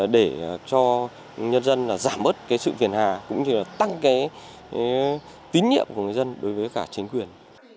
để cho nhân dân giảm bớt sự phiền hà cũng như tăng tín nhiệm của người dân đối với cả chính quyền